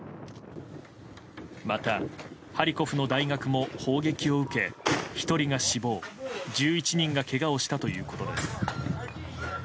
また、ハリコフの大学も砲撃を受け１人が死亡、１１人がけがをしたということです。